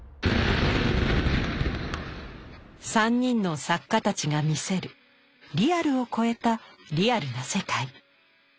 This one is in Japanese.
３人の作家たちが見せるリアルを超えたリアルな世界。